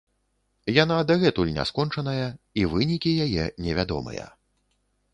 Яна дагэтуль не скончаная, і вынікі яе невядомыя.